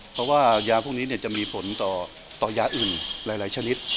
เพราะว่ายาพวกนี้จะมีผลต่อยาอื่นหลายชนิด